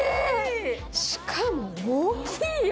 しかも大きいよ。